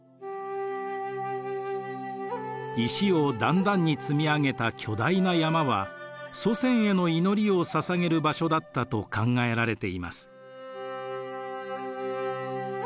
石を段々に積み上げた巨大な山は祖先への祈りをささげる場所だったと考えられています。